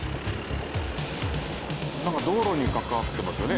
なんか道路に関わってますよね。